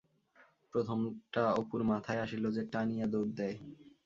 প্রথমটা অপুর মাথায় আসিল যে টানিয়া দৌড় দেয়।